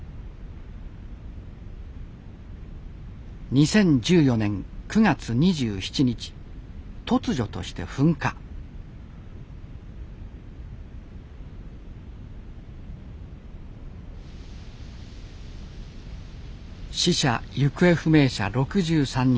２０１４年９月２７日突如として噴火死者・行方不明者６３人。